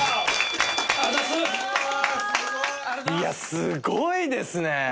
すごいですね！